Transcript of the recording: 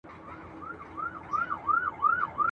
له لېوه خلاص سې قصاب دي بیايي ..